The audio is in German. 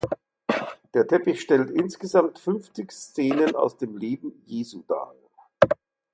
Der Teppich stellt insgesamt fünfzig Szenen aus dem Leben Jesu dar.